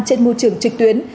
trên môi trường trực tuyến